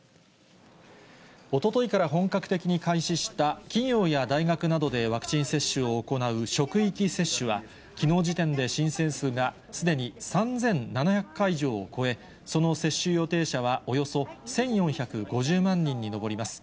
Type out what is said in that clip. おとといから本格的に開始した、企業や大学などでワクチン接種を行う職域接種は、きのう時点で申請数が、すでに３７００会場を超え、その接種予定者はおよそ１４５０万人に上ります。